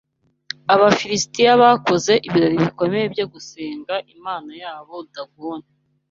Abafilisitiya bakoze ibirori bikomeye byo gusenga imana yabo Dagoni